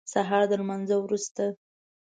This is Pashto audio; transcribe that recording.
سهار د لمانځه وروسته.